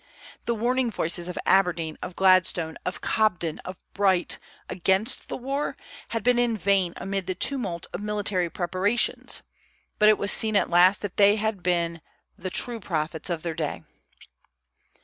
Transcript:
The warning voices of Aberdeen, of Gladstone, of Cobden, of Bright, against the war had been in vain amid the tumult of military preparations; but it was seen at last that they had been thy true prophets of their day.